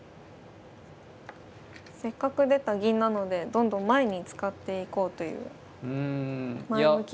せっかく出た銀なのでどんどん前に使っていこうという前向きな。